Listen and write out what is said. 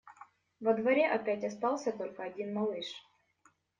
Во дворе опять остался только один малыш.